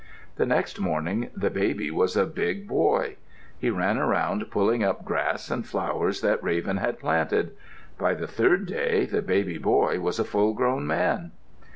The next morning the baby was a big boy. He ran around pulling up grass and flowers that Raven had planted. By the third day the baby was a full grown man.